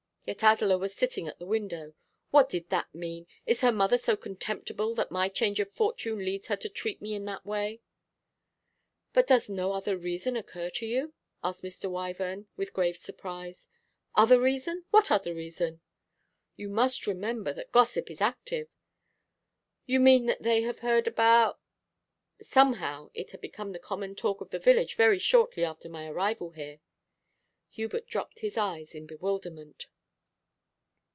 Yet Adela was sitting at the window. What did that mean? Is her mother so contemptible that my change of fortune leads her to treat me in that way?' 'But does no other reason occur to you?' asked Mr. Wyvern, with grave surprise. 'Other reason! What other?' 'You must remember that gossip is active.' 'You mean that they have heard abou ?' 'Somehow it had become the common talk of the village very shortly after my arrival here.' Hubert dropped his eyes in bewilderment.